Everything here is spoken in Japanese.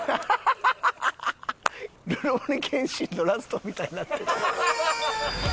『るろうに剣心』のラストみたいになってる。